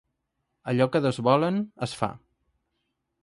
Allò que dos volen, es fa.